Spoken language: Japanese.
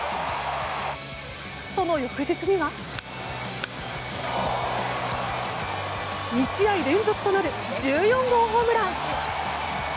その翌日には、２試合連続となる１４号ホームラン！